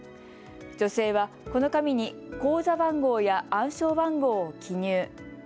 女性はこの紙に口座番号や暗証番号を記入。